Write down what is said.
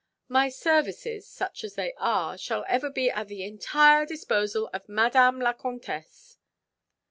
"My services, such as they are, shall ever be at the entire disposal of Madame la Comtesse."